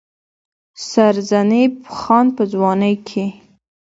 سرنزېب خان پۀ ځوانۍ کښې